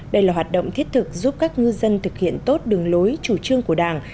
đây là hoạt động thiết thực giúp các ngư dân thực hiện tốt đường lối chủ trương của đảng